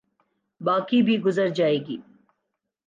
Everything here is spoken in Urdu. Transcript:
باقی بھی گزر جائے گی۔